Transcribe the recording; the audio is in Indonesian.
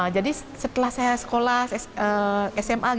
jadi setelah saya sekolah sma